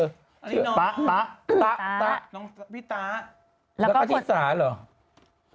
ตาตาตาตาพี่ตาแล้วก็แล้วก็ที่สาเหรอ